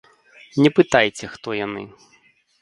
Не пытайце, хто яны.